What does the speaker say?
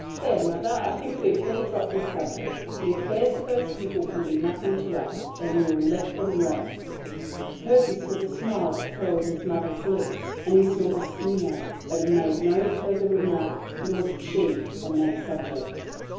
There, mother, I think we had better drop this subject. The affairs of those people can be nothing to us, and we will let them rest." Percy saw the smile that curled his mother's lips, and he saw the sneer; but he made no further remark, nor did she, on that subject.